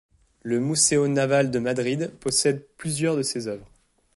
Le Museo Naval de Madrid possède plusieurs de ses œuvres.